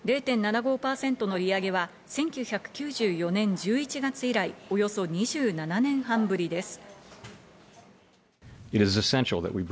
０．７５％の利上げは１９９４年１１月以来、およそ２７年半ぶりです。